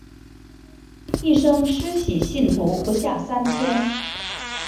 一生施洗信徒不下三千。